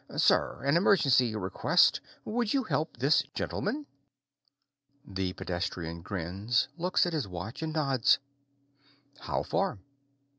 "Sir, an emergency request. Would you help this gentleman?" The pedestrian grins, looks at his watch, and nods. "How far?"